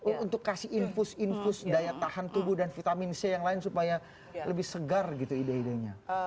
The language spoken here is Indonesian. untuk kasih infus infus daya tahan tubuh dan vitamin c yang lain supaya lebih segar gitu ide idenya